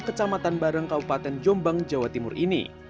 kecamatan barangkaupaten jombang jawa timur ini